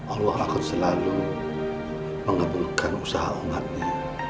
allah akan selalu mengabulkan usaha amatnya